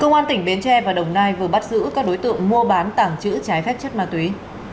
cơ quan tỉnh biến tre và đồng nai vừa bắt giữ các đối tượng mua bán tảng chữ trái phép chất ma túy